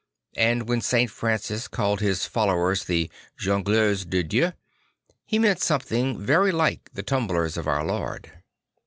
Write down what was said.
And when St. Francis called his followers the Jongleurs de Dieu, he meant something very like the Tumblers of Our Lord.